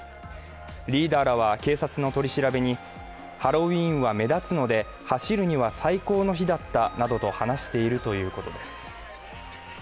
リーダーらは、警察の取り調べにハロウィーンは目立つので走るには最高の日だったなどと話しているということです。